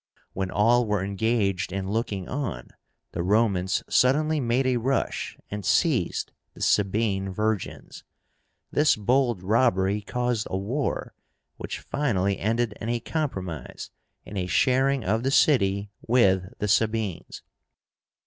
When all were engaged in looking on, the Romans suddenly made a rush and seized the Sabine virgins. This bold robbery caused a war, which finally ended in a compromise, and a sharing of the city with the Sabines.